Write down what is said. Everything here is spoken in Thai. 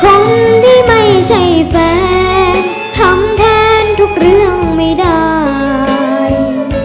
คนที่ไม่ใช่แฟนทำแทนทุกเรื่องไม่ได้